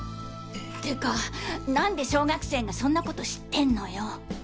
ってか何で小学生がそんなこと知ってんのよ。